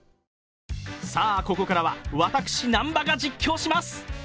さあ、ここからは私、南波が実況します。